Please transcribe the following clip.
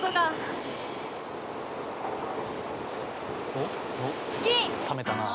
おっためたなあ。